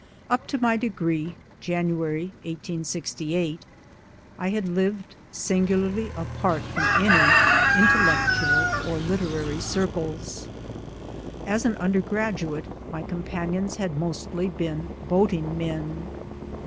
Up to my degree (January '68) I had lived singularly apart from any intellectual or literary circles. As an undergraduate my companions had mostly been boating men.